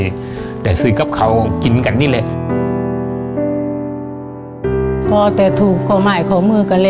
พอเต็มทึกเข้ามาอีกคอมือกัน